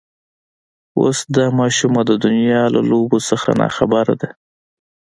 اوس دا ماشومه د دنيا له لوبو نه ناخبره ده.